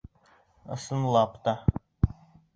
Ысынлап та!